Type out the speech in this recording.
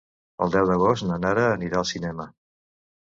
El deu d'agost na Nara anirà al cinema.